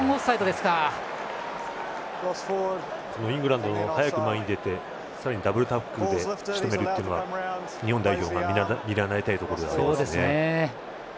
イングランドの早く前に出てさらにダブルタックルでしとめるというのは日本代表が見習いたいところですね。